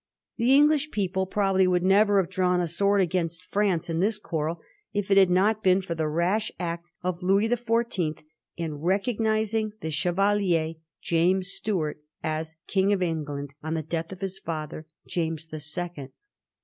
The English people probably would never have drawn a sword against France in this quarrel if it had not been for the rash act of Louis the Fourteenth in recognising the che valier, James Stuart, as King of England on the death of his father, James the Second.